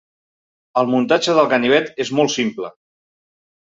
El muntatge del ganivet és molt simple.